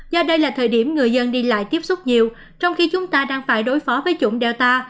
do đây là thời điểm người dân đi lại tiếp xúc nhiều trong khi chúng ta đang phải đối phó với chủng delta